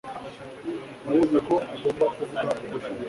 Yabonye ko agomba kuvuga ukuri.